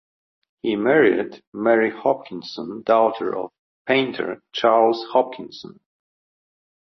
He married Mary Hopkinson, daughter of painter Charles Hopkinson.